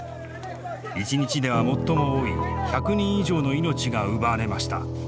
１日では最も多い１００人以上の命が奪われました。